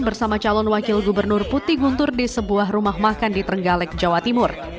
bersama calon wakil gubernur putih guntur di sebuah rumah makan di trenggalek jawa timur